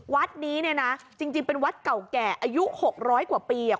วัดนี้เนี่ยนะจริงเป็นวัดเก่าแก่อายุ๖๐๐กว่าปีอ่ะ